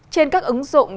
trên các ứng dụng